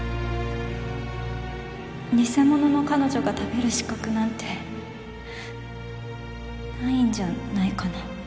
偽者の彼女が食べる資格なんてないんじゃないかな。